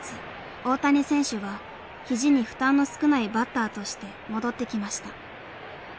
大谷選手はひじに負担の少ないバッターとして戻ってきました。